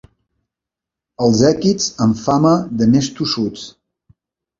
Els èquids amb fama de més tossuts.